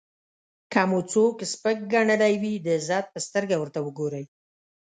که مو څوک سپک ګڼلی وي د عزت په سترګه ورته وګورئ.